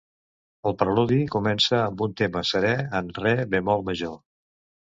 El preludi comença amb un tema serè en re bemoll major.